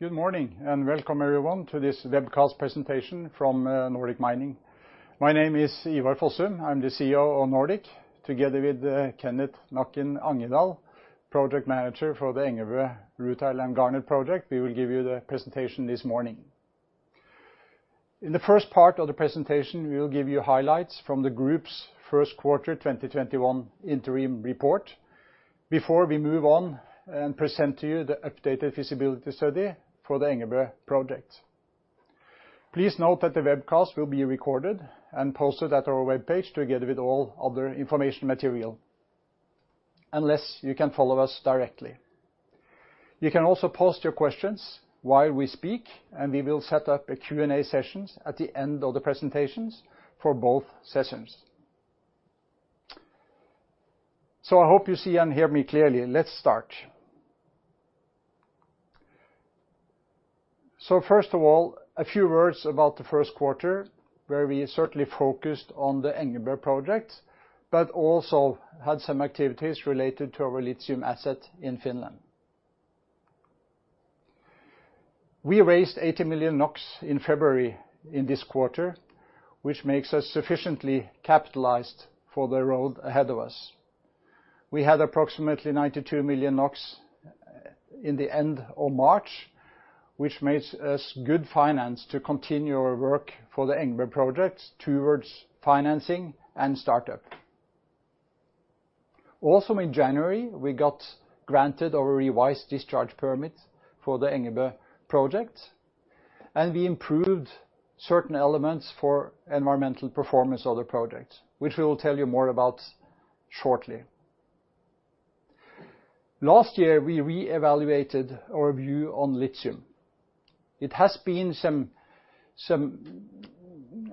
Good morning and welcome everyone to this webcast presentation from Nordic Mining. My name is Ivar Fossum, I'm the CEO of Nordic, together with Kenneth Nakken Angedal, Project Manager for the Engebø Rutile and Garnet project. We will give you the presentation this morning. In the first part of the presentation, we will give you highlights from the Group's First Quarter 2021 Interim Report before we move on and present to you the updated feasibility study for the Engebø project. Please note that the webcast will be recorded and posted at our webpage together with all other information material, unless you can follow us directly. You can also post your questions while we speak, and we will set up a Q&A session at the end of the presentations for both sessions. I hope you see and hear me clearly. Let's start. First of all, a few words about the first quarter, where we certainly focused on the Engebø project, but also had some activities related to our lithium asset in Finland. We raised 80 million NOK in February in this quarter, which makes us sufficiently capitalized for the road ahead of us. We had approximately 92 million NOK at the end of March, which makes us good finance to continue our work for the Engebø project towards financing and startup. Also in January, we got granted our revised discharge permit for the Engebø project, and we improved certain elements for environmental performance of the project, which we will tell you more about shortly. Last year, we reevaluated our view on lithium. It has been some,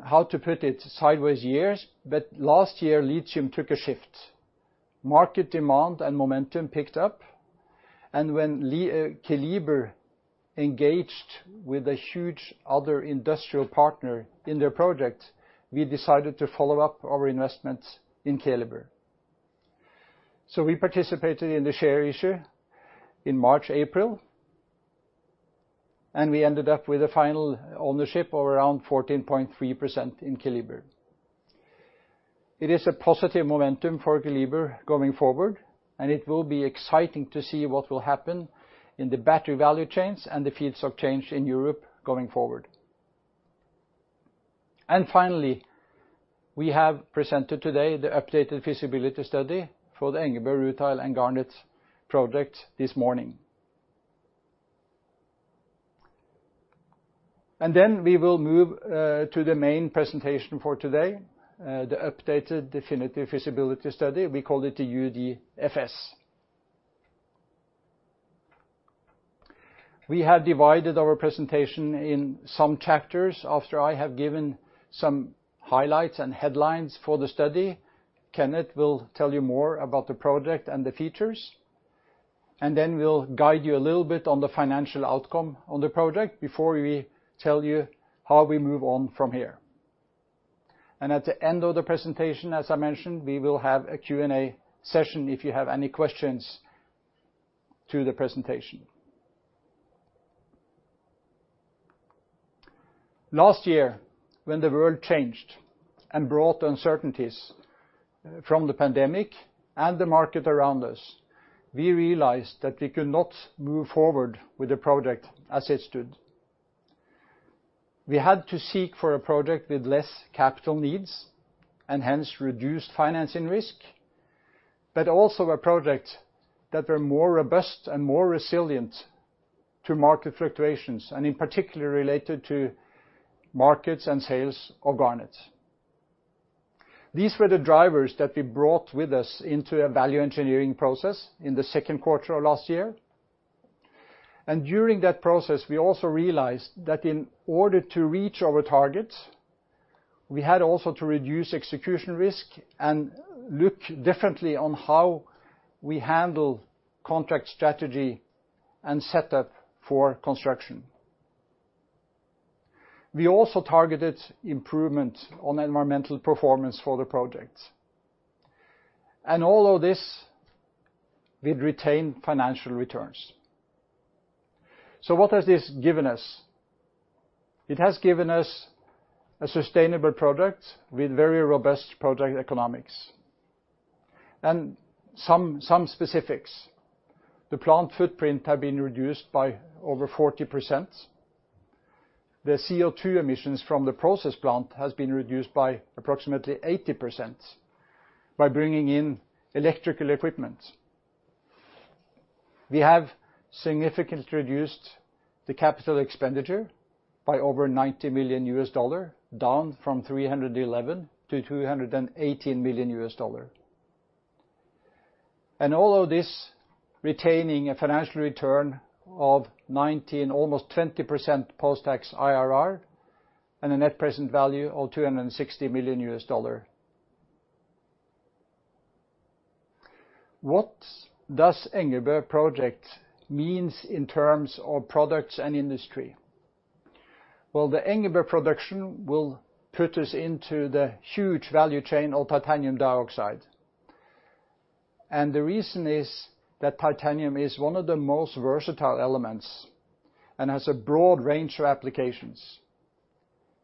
how to put it, sideways years, but last year lithium took a shift. Market demand and momentum picked up, and when Keliber engaged with a huge other industrial partner in their project, we decided to follow up our investment in Keliber. We participated in the share issue in March-April, and we ended up with a final ownership of around 14.3% in Keliber. It is a positive momentum for Keliber going forward, and it will be exciting to see what will happen in the battery value chains and the fields of change in Europe going forward. Finally, we have presented today the updated feasibility study for the Engebø Rutile and Garnet project this morning. We will move to the main presentation for today, the updated definitive feasibility study. We call it the UDFS. We have divided our presentation in some chapters after I have given some highlights and headlines for the study. Kenneth will tell you more about the project and the features, and then we'll guide you a little bit on the financial outcome of the project before we tell you how we move on from here. At the end of the presentation, as I mentioned, we will have a Q&A session if you have any questions to the presentation. Last year, when the world changed and brought uncertainties from the pandemic and the market around us, we realized that we could not move forward with the project as it stood. We had to seek for a project with less capital needs and hence reduced financing risk, but also a project that was more robust and more resilient to market fluctuations, and in particular related to markets and sales of garnet. These were the drivers that we brought with us into a value engineering process in the second quarter of last year. During that process, we also realized that in order to reach our targets, we had also to reduce execution risk and look differently on how we handle contract strategy and setup for construction. We also targeted improvement on environmental performance for the project. All of this will retain financial returns. What has this given us? It has given us a sustainable product with very robust project economics. Some specifics: the plant footprint has been reduced by over 40%. The CO2 emissions from the process plant have been reduced by approximately 80% by bringing in electrical equipment. We have significantly reduced the capital expenditure by over $90 million, down from $311 million to $218 million. All of this retaining a financial return of 19%, almost 20% post-tax IRR and a net present value of $260 million. What does the Engebø project mean in terms of products and industry? The Engebø production will put us into the huge value chain of titanium dioxide. The reason is that titanium is one of the most versatile elements and has a broad range of applications.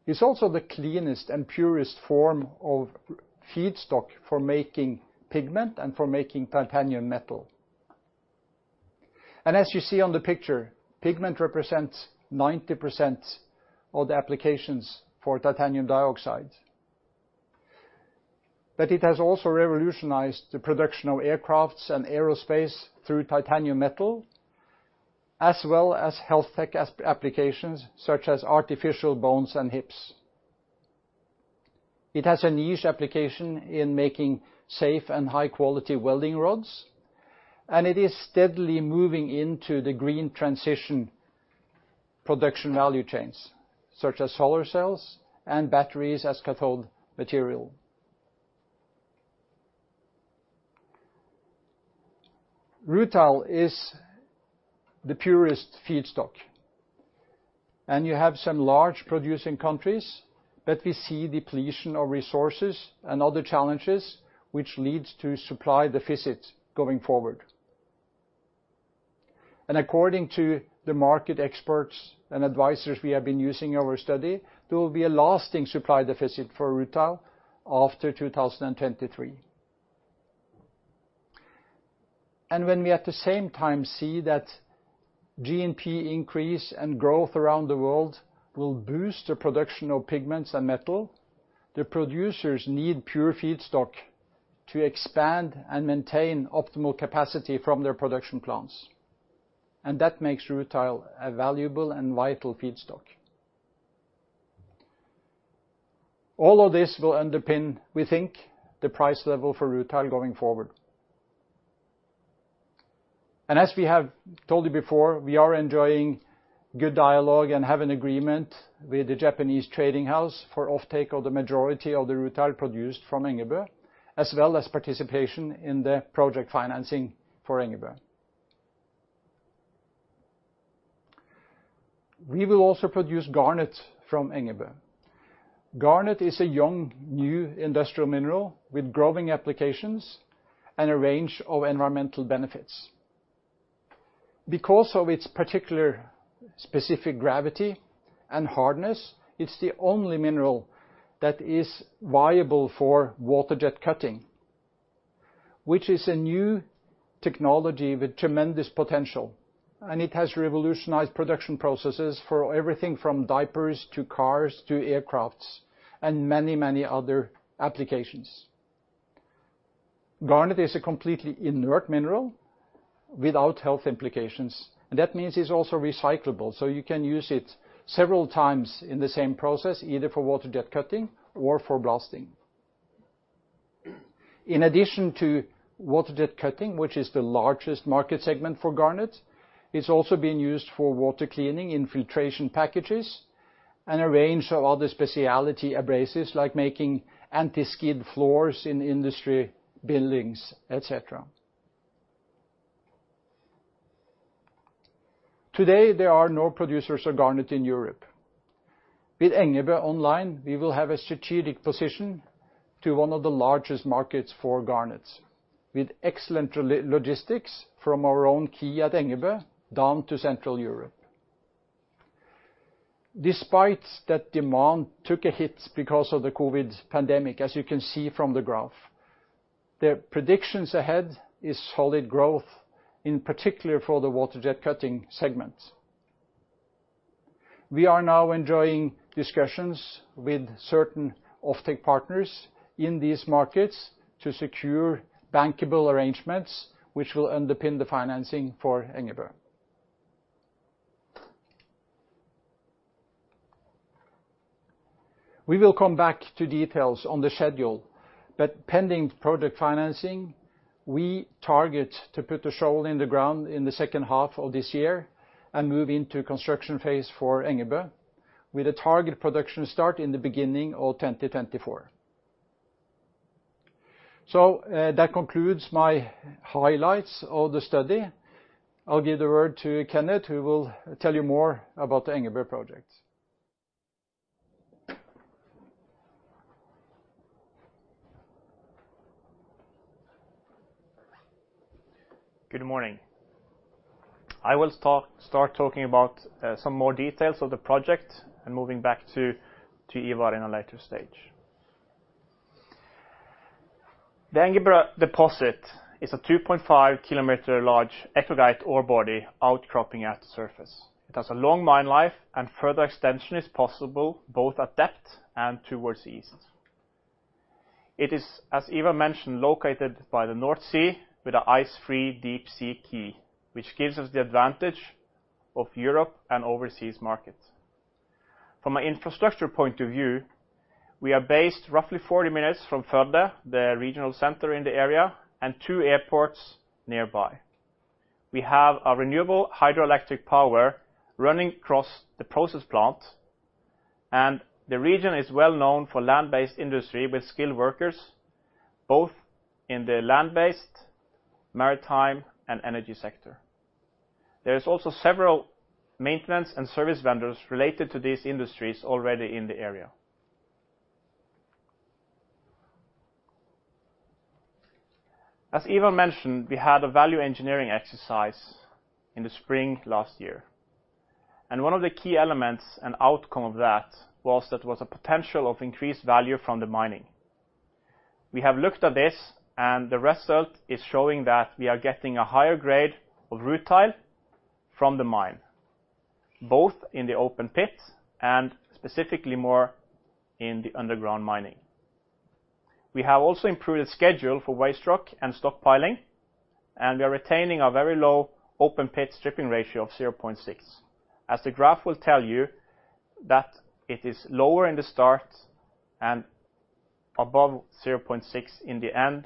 It is also the cleanest and purest form of feedstock for making pigment and for making titanium metal. As you see on the picture, pigment represents 90% of the applications for titanium dioxide. It has also revolutionized the production of aircraft and aerospace through titanium metal, as well as health tech applications such as artificial bones and hips. It has a niche application in making safe and high-quality welding rods, and it is steadily moving into the green transition production value chains, such as solar cells and batteries as cathode material. Rutile is the purest feedstock, and you have some large producing countries, but we see depletion of resources and other challenges which lead to supply deficit going forward. According to the market experts and advisors we have been using in our study, there will be a lasting supply deficit for rutile after 2023. When we at the same time see that GNP increase and growth around the world will boost the production of pigments and metal, the producers need pure feedstock to expand and maintain optimal capacity from their production plants. That makes rutile a valuable and vital feedstock. All of this will underpin, we think, the price level for rutile going forward. As we have told you before, we are enjoying good dialogue and have an agreement with the Japanese trading house for offtake of the majority of the rutile produced from Engebø, as well as participation in the project financing for Engebø. We will also produce garnet from Engebø. Garnet is a young, new industrial mineral with growing applications and a range of environmental benefits. Because of its particular specific gravity and hardness, it is the only mineral that is viable for water jet cutting, which is a new technology with tremendous potential, and it has revolutionized production processes for everything from diapers to cars to aircraft and many, many other applications. Garnet is a completely inert mineral without health implications, and that means it is also recyclable, so you can use it several times in the same process, either for water jet cutting or for blasting. In addition to water jet cutting, which is the largest market segment for garnet, it's also being used for water cleaning, infiltration packages, and a range of other specialty abrasives like making anti-skid floors in industry buildings, etc. Today, there are no producers of garnet in Europe. With Engebø online, we will have a strategic position to one of the largest markets for garnet, with excellent logistics from our own quay at Engebø down to Central Europe. Despite that, demand took a hit because of the COVID pandemic, as you can see from the graph. The predictions ahead are solid growth, in particular for the water jet cutting segment. We are now enjoying discussions with certain offtake partners in these markets to secure bankable arrangements, which will underpin the financing for Engebø. We will come back to details on the schedule, but pending project financing, we target to put the shovel in the ground in the second half of this year and move into construction phase for Engebø, with a target production start in the beginning of 2024. That concludes my highlights of the study. I'll give the word to Kenneth, who will tell you more about the Engebø project. Good morning. I will start talking about some more details of the project and moving back to Ivar in a later stage. The Engebø deposit is a 2.5 km-large eclogite ore body outcropping at the surface. It has a long mine life, and further extension is possible both at depth and towards east. It is, as Ivar mentioned, located by the North Sea with an ice-free deep-sea quay, which gives us the advantage of Europe and overseas markets. From an infrastructure point of view, we are based roughly 40 minutes from Førde, the regional center in the area, and two airports nearby. We have renewable hydroelectric power running across the process plant, and the region is well known for land-based industry with skilled workers, both in the land-based, maritime, and energy sector. There are also several maintenance and service vendors related to these industries already in the area. As Ivar mentioned, we had a value engineering exercise in the spring last year, and one of the key elements and outcome of that was that there was a potential of increased value from the mining. We have looked at this, and the result is showing that we are getting a higher grade of rutile from the mine, both in the open pit and specifically more in the underground mining. We have also improved the schedule for waste rock and stockpiling, and we are retaining a very low open pit stripping ratio of 0.6, as the graph will tell you that it is lower in the start and above 0.6 in the end when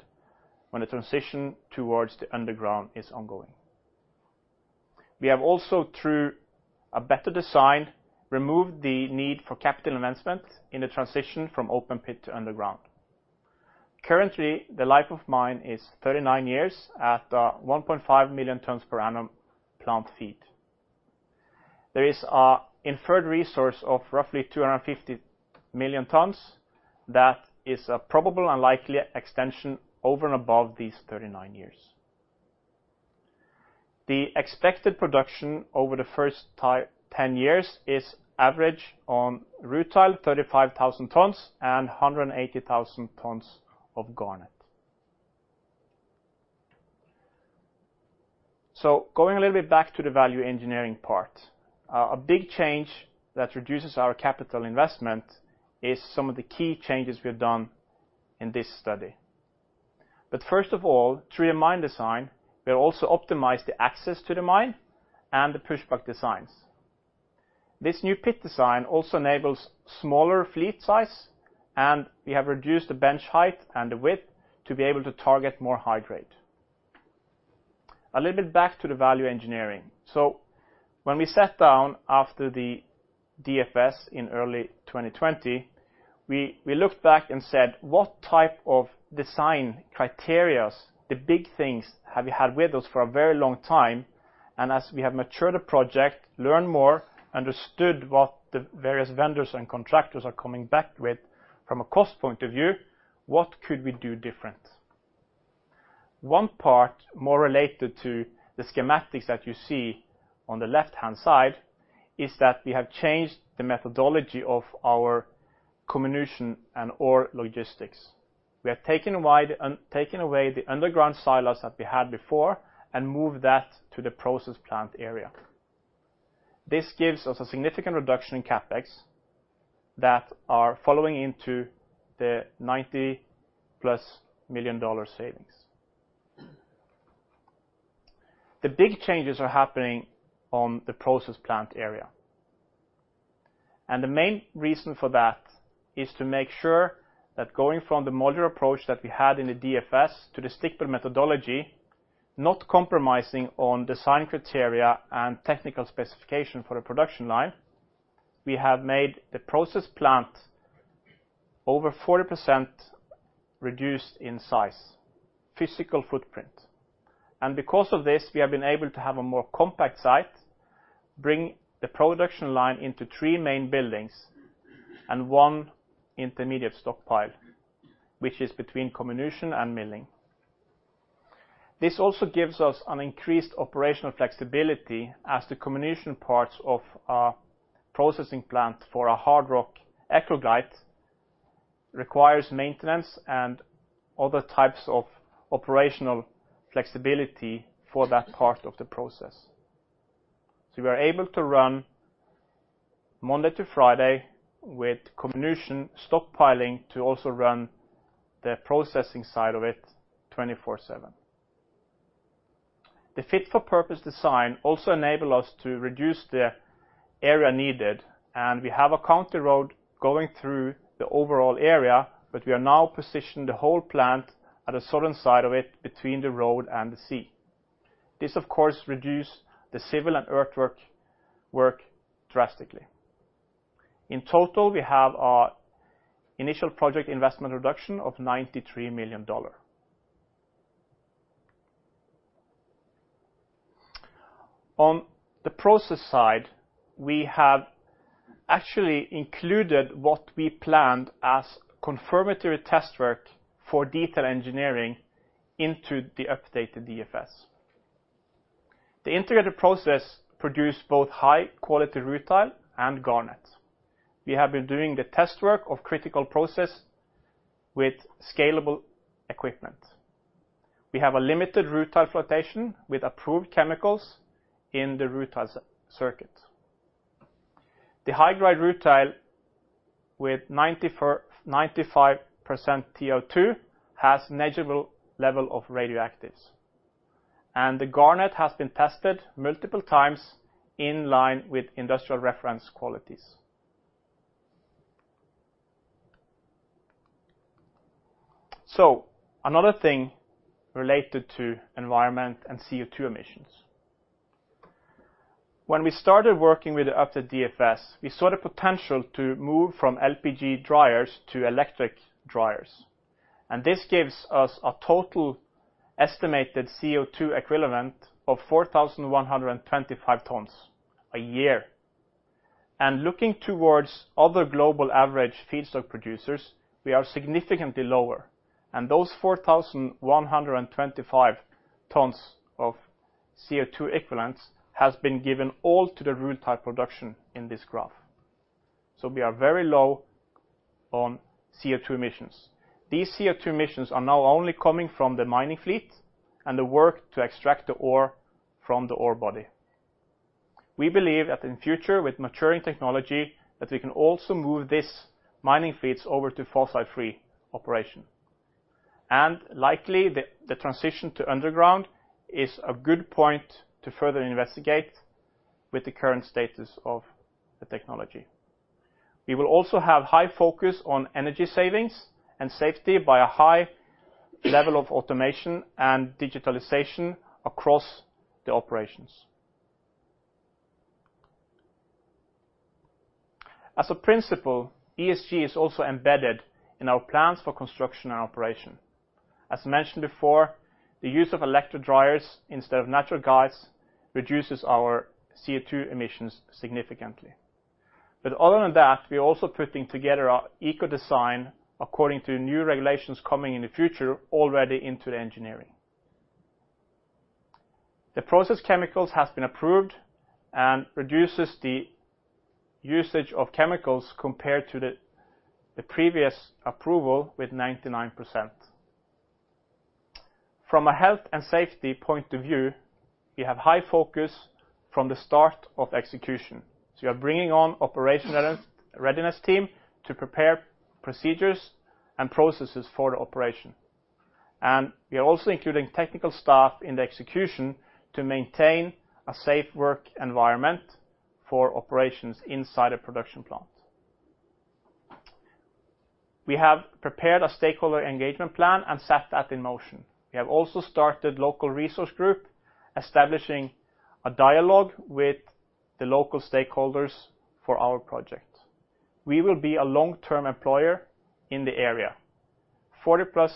the transition towards the underground is ongoing. We have also, through a better design, removed the need for capital investment in the transition from open pit to underground. Currently, the life of mine is 39 years at 1.5 million tons per annum plant feed. There is an inferred resource of roughly 250 million tons that is a probable and likely extension over and above these 39 years. The expected production over the first 10 years is average on rutile 35,000 tons and 180,000 tons of garnet. Going a little bit back to the value engineering part, a big change that reduces our capital investment is some of the key changes we have done in this study. First of all, through the mine design, we have also optimized the access to the mine and the pushback designs. This new pit design also enables smaller fleet size, and we have reduced the bench height and the width to be able to target more high grade. A little bit back to the value engineering. When we sat down after the DFS in early 2020, we looked back and said, "What type of design criteria, the big things, have you had with us for a very long time?" As we have matured the project, learned more, understood what the various vendors and contractors are coming back with from a cost point of view, what could we do different? One part more related to the schematics that you see on the left-hand side is that we have changed the methodology of our comminution and ore logistics. We have taken away the underground silos that we had before and moved that to the process plant area. This gives us a significant reduction in CapEx that are following into the $90+ million savings. The big changes are happening on the process plant area. The main reason for that is to make sure that going from the modular approach that we had in the DFS to the stick-built methodology, not compromising on design criteria and technical specification for the production line, we have made the process plant over 40% reduced in size, physical footprint. Because of this, we have been able to have a more compact site, bring the production line into three main buildings and one intermediate stockpile, which is between comminution and milling. This also gives us increased operational flexibility as the comminution parts of our processing plant for our hard rock eclogite requires maintenance and other types of operational flexibility for that part of the process. We are able to run Monday to Friday with comminution stockpiling to also run the processing side of it 24/7. The fit-for-purpose design also enables us to reduce the area needed, and we have a country road going through the overall area, but we are now positioned the whole plant at a southern side of it between the road and the sea. This, of course, reduces the civil and earthwork work drastically. In total, we have our initial project investment reduction of $93 million. On the process side, we have actually included what we planned as confirmatory test work for detail engineering into the updated DFS. The integrated process produced both high-quality rutile and garnet. We have been doing the test work of critical process with scalable equipment. We have a limited rutile flotation with approved chemicals in the rutile circuit. The high-grade rutile with 95% TiO2 has negligible level of radioactives, and the garnet has been tested multiple times in line with industrial reference qualities. Another thing related to environment and CO2 emissions. When we started working with the updated DFS, we saw the potential to move from LPG dryers to electric dryers, and this gives us a total estimated CO2 equivalent of 4,125 tons a year. Looking towards other global average feedstock producers, we are significantly lower, and those 4,125 tons of CO2 equivalents have been given all to the rutile production in this graph. We are very low on CO2 emissions. These CO2 emissions are now only coming from the mining fleet and the work to extract the ore from the ore body. We believe that in future, with maturing technology, we can also move these mining fleets over to fossil-free operation. Likely, the transition to underground is a good point to further investigate with the current status of the technology. We will also have high focus on energy savings and safety by a high level of automation and digitalization across the operations. As a principle, ESG is also embedded in our plans for construction and operation. As mentioned before, the use of electric dryers instead of natural gas reduces our CO2 emissions significantly. Other than that, we are also putting together our eco design according to new regulations coming in the future already into the engineering. The process chemicals have been approved and reduces the usage of chemicals compared to the previous approval with 99%. From a health and safety point of view, we have high focus from the start of execution. We are bringing on an operational readiness team to prepare procedures and processes for the operation. We are also including technical staff in the execution to maintain a safe work environment for operations inside a production plant. We have prepared a stakeholder engagement plan and set that in motion. We have also started a local resource group establishing a dialogue with the local stakeholders for our project. We will be a long-term employer in the area, 40+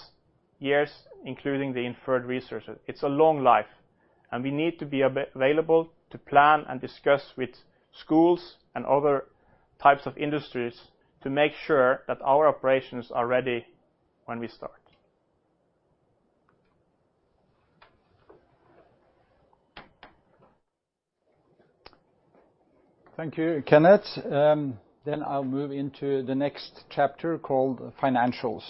years, including the inferred resources. It is a long life, and we need to be available to plan and discuss with schools and other types of industries to make sure that our operations are ready when we start. Thank you, Kenneth. I will move into the next chapter called Financials.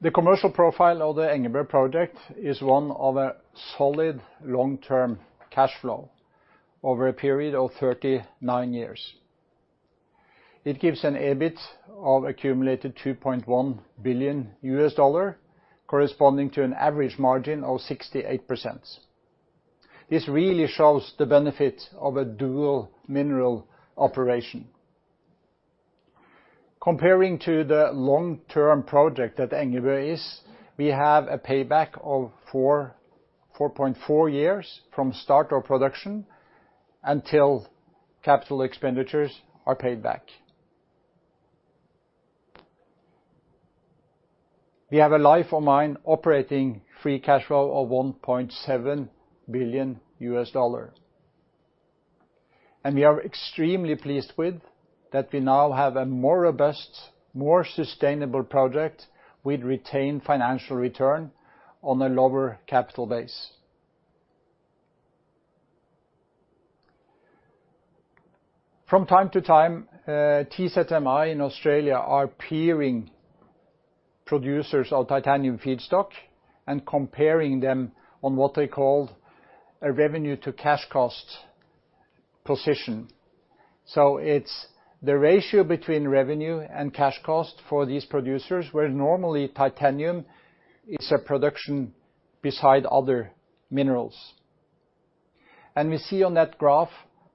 The commercial profile of the Engebø project is one of a solid long-term cash flow over a period of 39 years. It gives an EBIT of accumulated $2.1 billion, corresponding to an average margin of 68%. This really shows the benefit of a dual mineral operation. Comparing to the long-term project that Engebø is, we have a payback of 4.4 years from start of production until capital expenditures are paid back. We have a life of mine operating free cash flow of $1.7 billion. We are extremely pleased with that we now have a more robust, more sustainable project with retained financial return on a lower capital base. From time to time, TZMI in Australia are peering producers of titanium feedstock and comparing them on what they call a revenue-to-cash cost position. It is the ratio between revenue and cash cost for these producers, where normally titanium is a production beside other minerals. We see on that graph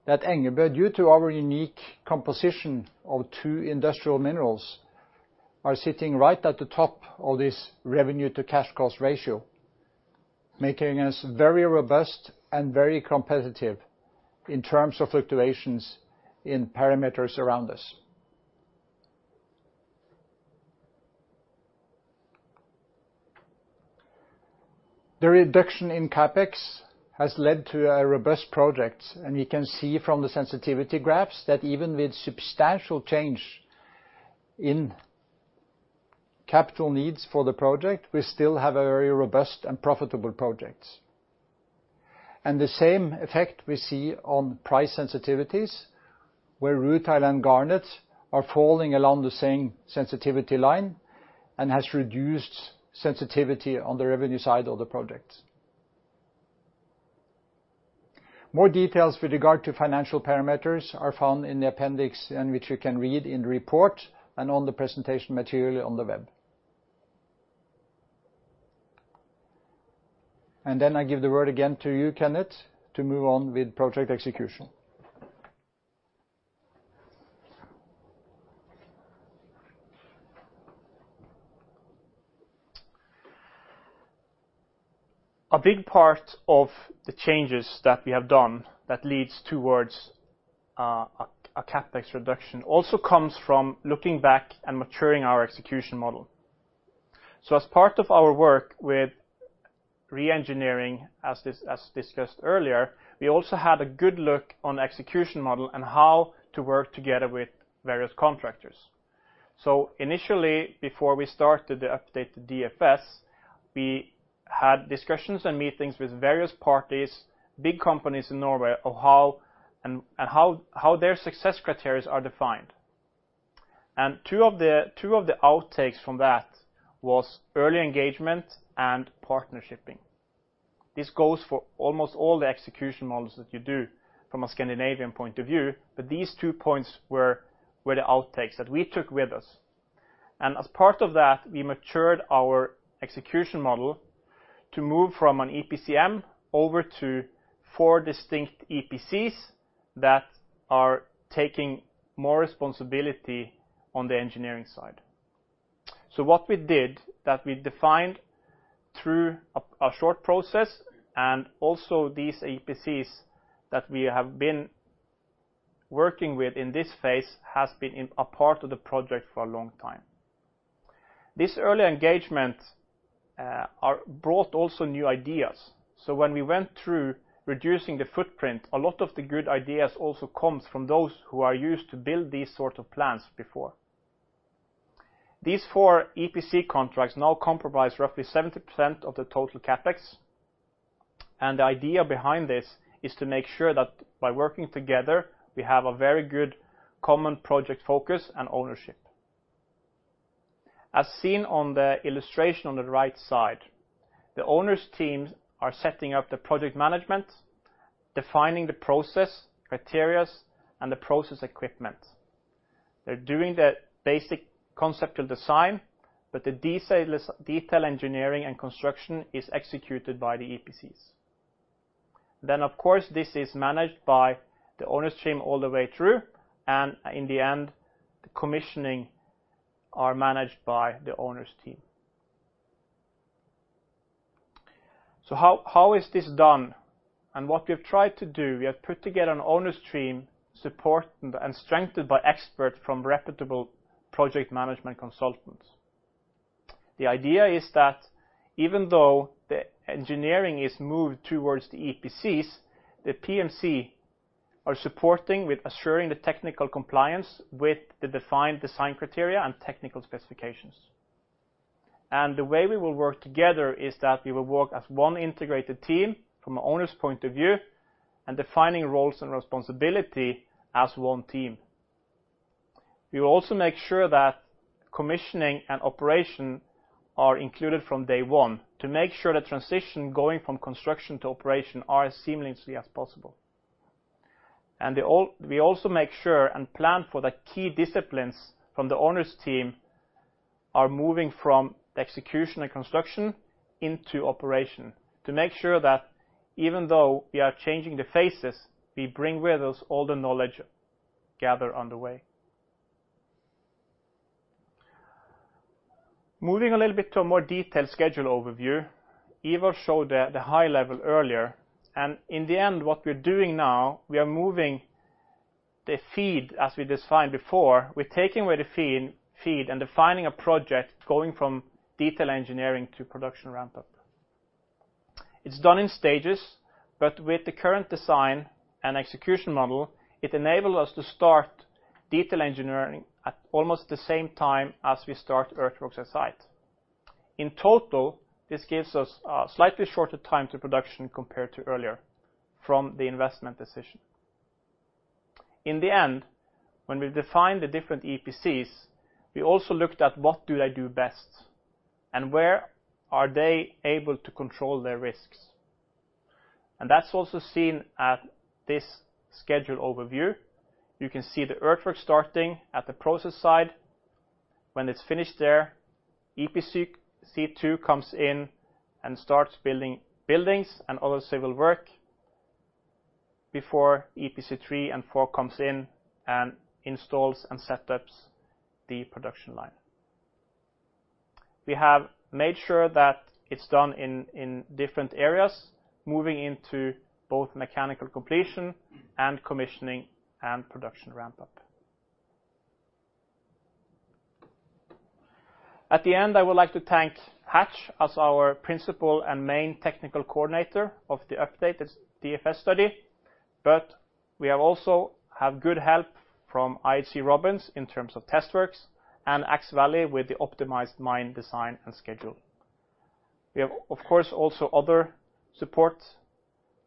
that Engebø, due to our unique composition of two industrial minerals, is sitting right at the top of this revenue-to-cash cost ratio, making us very robust and very competitive in terms of fluctuations in parameters around us. The reduction in CapEx has led to a robust project, and we can see from the sensitivity graphs that even with substantial change in capital needs for the project, we still have a very robust and profitable project. The same effect is seen on price sensitivities, where rutile and garnet are falling along the same sensitivity line and have reduced sensitivity on the revenue side of the project. More details with regard to financial parameters are found in the appendix, which you can read in the report and on the presentation material on the web. I give the word again to you, Kenneth, to move on with project execution. A big part of the changes that we have done that leads towards a CapEx reduction also comes from looking back and maturing our execution model. As part of our work with re-engineering, as discussed earlier, we also had a good look on the execution model and how to work together with various contractors. Initially, before we started the updated DFS, we had discussions and meetings with various parties, big companies in Norway, and how their success criteria are defined. Two of the outtakes from that was early engagement and partnership. This goes for almost all the execution models that you do from a Scandinavian point of view, but these two points were the outtakes that we took with us. As part of that, we matured our execution model to move from an EPCM over to four distinct EPCs that are taking more responsibility on the engineering side. What we did, we defined through a short process, and also these EPCs that we have been working with in this phase have been a part of the project for a long time. This early engagement brought also new ideas. When we went through reducing the footprint, a lot of the good ideas also come from those who are used to build these sorts of plans before. These four EPC contracts now comprise roughly 70% of the total CapEx. The idea behind this is to make sure that by working together, we have a very good common project focus and ownership. As seen on the illustration on the right side, the owners' teams are setting up the project management, defining the process criteria, and the process equipment. They're doing the basic conceptual design, but the detail engineering and construction is executed by the EPCs. Of course, this is managed by the owners' team all the way through, and in the end, the commissioning is managed by the owners' team. How is this done? What we have tried to do, we have put together an owners' team supported and strengthened by experts from reputable project management consultants. The idea is that even though the engineering is moved towards the EPCs, the PMCs are supporting with assuring the technical compliance with the defined design criteria and technical specifications. The way we will work together is that we will work as one integrated team from an owner's point of view and defining roles and responsibility as one team. We will also make sure that commissioning and operation are included from day one to make sure the transition going from construction to operation is as seamless as possible. We also make sure and plan for the key disciplines from the owners' team are moving from execution and construction into operation to make sure that even though we are changing the faces, we bring with us all the knowledge gathered on the way. Moving a little bit to a more detailed schedule overview, Ivar showed the high level earlier. In the end, what we're doing now, we are moving the feed, as we defined before, we're taking away the feed and defining a project going from detail engineering to production ramp-up. It's done in stages, but with the current design and execution model, it enables us to start detail engineering at almost the same time as we start earthworks at site. In total, this gives us a slightly shorter time to production compared to earlier from the investment decision. In the end, when we defined the different EPCs, we also looked at what do they do best and where are they able to control their risks. That's also seen at this schedule overview. You can see the earthwork starting at the process side. When it's finished there, EPC2 comes in and starts building buildings and other civil work before EPC3 and 4 comes in and installs and setups the production line. We have made sure that it's done in different areas, moving into both mechanical completion and commissioning and production ramp-up. At the end, I would like to thank Hatch as our principal and main technical coordinator of the updated DFS study, but we also have good help from IHC Robins in terms of test works and Axe Valley with the optimized mine design and schedule. We have, of course, also other support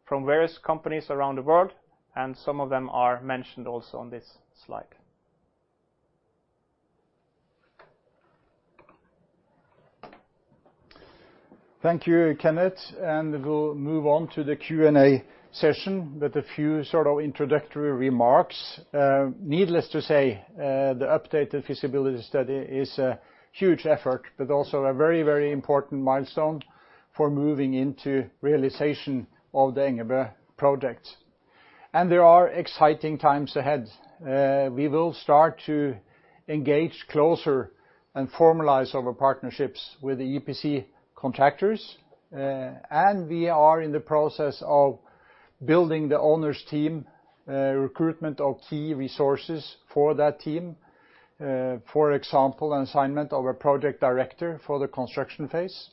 from various companies around the world, and some of them are mentioned also on this slide. Thank you, Kenneth, and we'll move on to the Q&A session with a few sort of introductory remarks. Needless to say, the updated feasibility study is a huge effort, but also a very, very important milestone for moving into realization of the Engebø project. There are exciting times ahead. We will start to engage closer and formalize our partnerships with the EPC contractors. We are in the process of building the owners' team, recruitment of key resources for that team, for example, an assignment of a project director for the construction phase.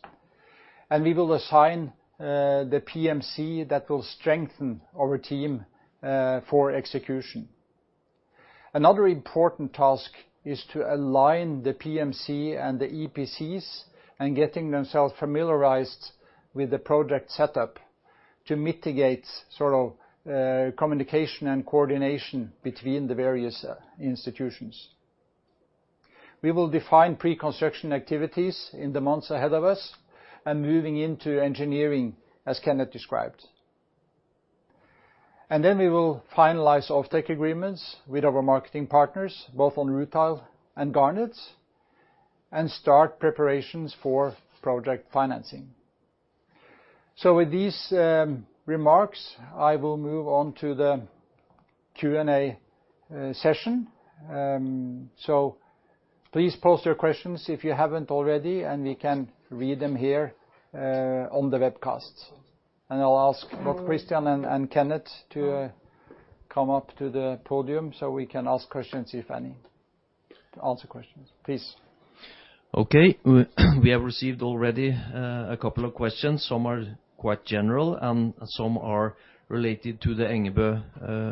We will assign the PMC that will strengthen our team for execution. Another important task is to align the PMC and the EPCs and getting themselves familiarized with the project setup to mitigate sort of communication and coordination between the various institutions. We will define pre-construction activities in the months ahead of us and moving into engineering, as Kenneth described. We will finalize offtake agreements with our marketing partners, both on rutile and garnet, and start preparations for project financing. With these remarks, I will move on to the Q&A session. Please post your questions if you haven't already, and we can read them here on the webcast. I'll ask both Christian and Kenneth to come up to the podium so we can ask questions if any. Answer questions, please. Okay. We have received already a couple of questions. Some are quite general, and some are related to the Engebø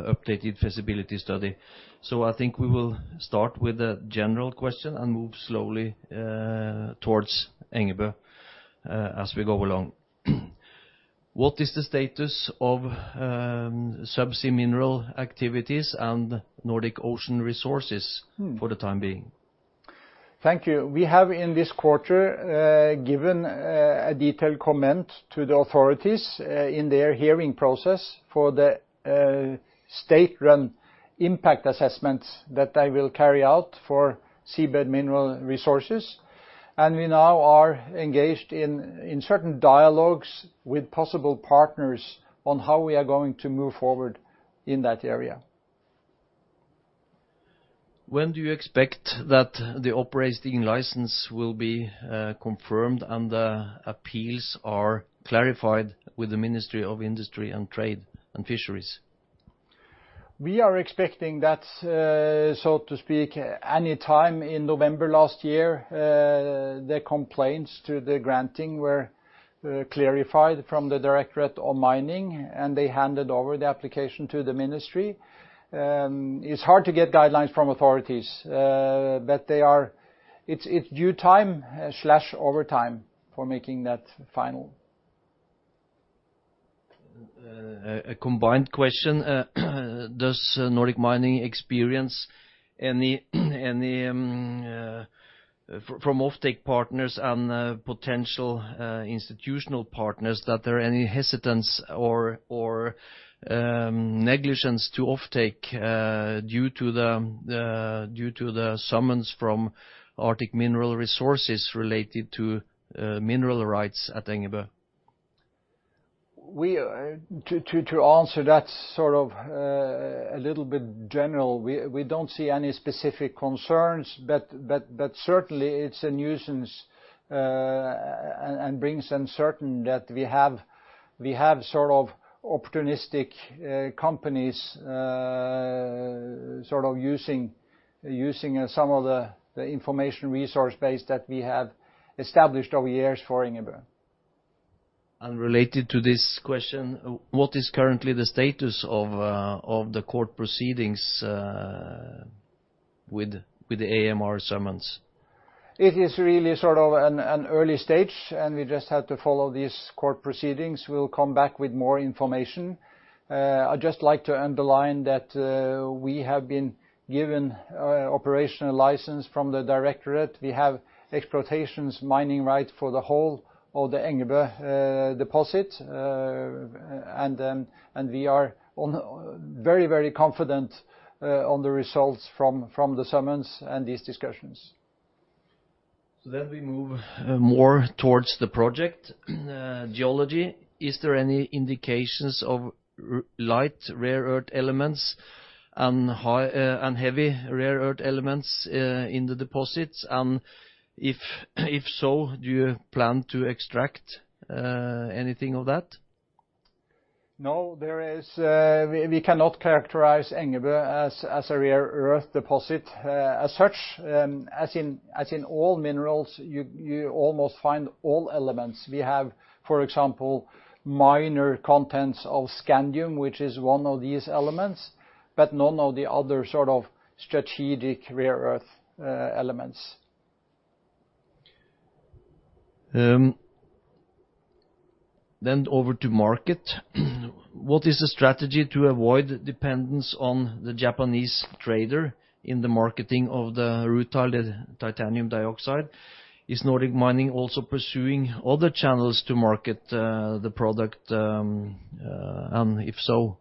updated feasibility study. I think we will start with a general question and move slowly towards Engebø as we go along. What is the status of subsea mineral activities and Nordic Ocean Resources for the time being? Thank you. We have in this quarter given a detailed comment to the authorities in their hearing process for the state-run impact assessments that they will carry out for seabed mineral resources. We now are engaged in certain dialogues with possible partners on how we are going to move forward in that area. When do you expect that the operating license will be confirmed and the appeals are clarified with the Ministry of Industry and Trade and Fisheries? We are expecting that, so to speak, any time in November last year, the complaints to the granting were clarified from the Directorate on Mining, and they handed over the application to the Ministry. It's hard to get guidelines from authorities, but it's due time or overtime for making that final. A combined question. Does Nordic Mining experience any from offtake partners and potential institutional partners that there are any hesitance or negligence to offtake due to the summons from Arctic Mineral Resources related to mineral rights at Engebø? To answer that sort of a little bit general, we don't see any specific concerns, but certainly it's a nuisance and brings uncertainty that we have sort of opportunistic companies sort of using some of the information resource base that we have established over the years for Engebø. Related to this question, what is currently the status of the court proceedings with the AMR summons? It is really sort of an early stage, and we just have to follow these court proceedings. We'll come back with more information. I'd just like to underline that we have been given operational license from the Directorate. We have exploitation mining rights for the whole of the Engebø deposit, and we are very, very confident on the results from the summons and these discussions. Then we move more towards the project geology. Is there any indications of light rare earth elements and heavy rare earth elements in the deposits? And if so, do you plan to extract anything of that? No, we cannot characterize Engebø as a rare earth deposit as such. As in all minerals, you almost find all elements. We have, for example, minor contents of scandium, which is one of these elements, but none of the other sort of strategic rare earth elements. Over to market. What is the strategy to avoid dependence on the Japanese trader in the marketing of the rutile titanium dioxide? Is Nordic Mining also pursuing other channels to market the product? If so,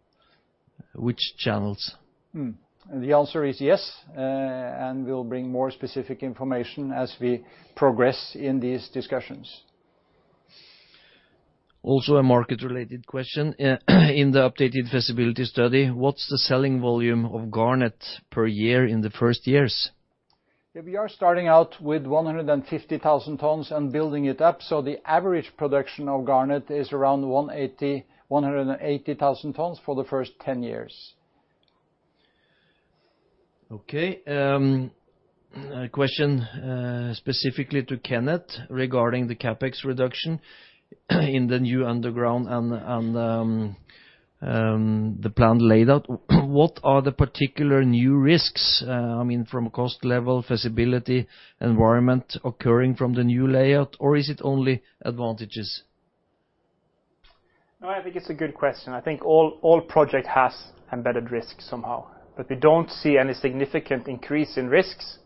which channels? The answer is yes, and we'll bring more specific information as we progress in these discussions. Also a market-related question. In the updated feasibility study, what's the selling volume of garnet per year in the first years? We are starting out with 150,000 tons and building it up. The average production of garnet is around 180,000 tons for the first 10 years. Okay. A question specifically to Kenneth regarding the CapEx reduction in the new underground and the planned layout. What are the particular new risks, I mean, from cost level, feasibility, environment occurring from the new layout, or is it only advantages? No, I think it's a good question. I think all projects have embedded risks somehow, but we don't see any significant increase in risks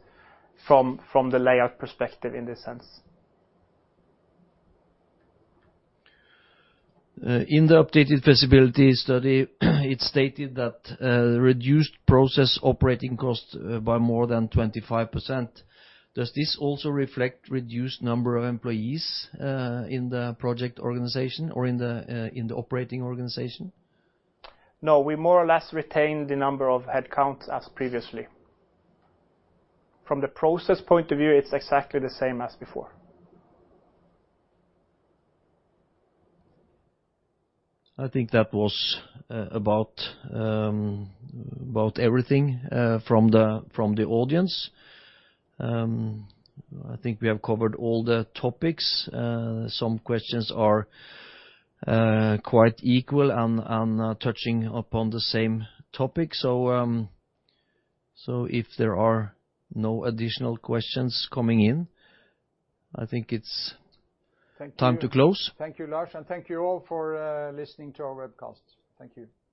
from the layout perspective in this sense. In the updated feasibility study, it's stated that reduced process operating cost by more than 25%. Does this also reflect a reduced number of employees in the project organization or in the operating organization? No, we more or less retain the number of headcount as previously. From the process point of view, it's exactly the same as before. I think that was about everything from the audience. I think we have covered all the topics. Some questions are quite equal and touching upon the same topic. If there are no additional questions coming in, I think it's time to close. Thank you, Lars, and thank you all for listening to our webcast. Thank you.